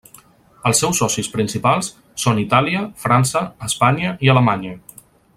Els seus socis principals són Itàlia, França, Espanya i Alemanya.